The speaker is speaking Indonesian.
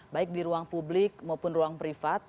baik di ruang publik maupun ruang privat